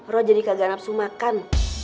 roh jadi kagak nafsu makan